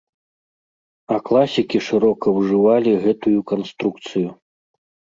А класікі шырока ўжывалі гэтую канструкцыю.